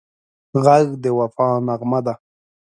غږ د وفا نغمه ده